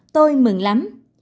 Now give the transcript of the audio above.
tôi mừng lắm